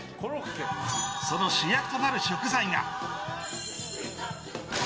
その主役となる食材が。